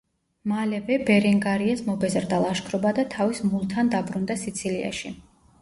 მალევე ბერენგარიას მობეზრდა ლაშქრობა და თავის მულთან დაბრუნდა სიცილიაში.